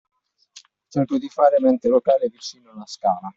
Cercò di fare mente locale: vicino alla scala.